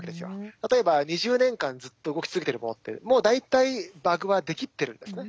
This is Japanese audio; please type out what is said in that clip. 例えば２０年間ずっと動き続けてるものってもう大体バグは出きってるんですね。